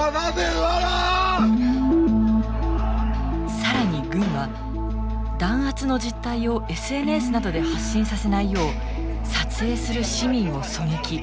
更に軍は弾圧の実態をＳＮＳなどで発信させないよう撮影する市民を狙撃。